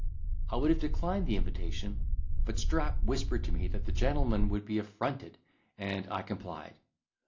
I would have declined the invitation, but Strap whispered to me that the gentleman would be affronted, and I complied.